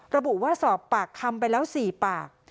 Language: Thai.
ระบุว่าสอบปากคำไปแล้ว๔ปาก